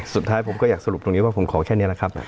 สุดท้ายผมก็อยากสรุปตรงนี้ว่าผมขอแค่นี้แหละครับ